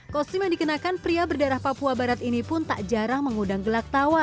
kostum yang dikenakan pria berdarah papua barat ini pun tak jarang mengundang gelak tawa